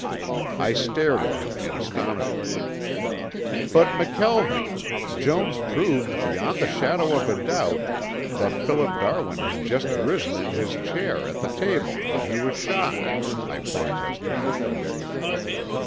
I stared at him in astonishment. "But, McKelvie, Jones proved beyond the shadow of a doubt that Philip Darwin had just risen in his chair at the table when he was shot," I protested.